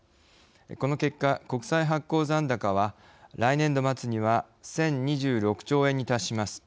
この結果、国債発行残高は来年度末には１０２６兆円に達します。